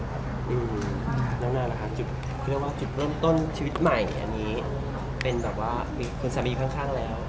อเจมส์น้องนางนะคะคือว่าจุดเริ่มต้นชีวิตใหม่อันนี้เป็นแบบว่าคุณสามีอยู่ข้างแล้ว